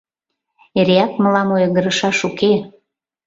Эреак мылам ойгырышаш уке».